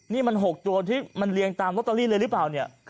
นี่มัน๖ตัวที่มันเรียงตามลอตเตอรี่เลยหรือเปล่าเนี่ย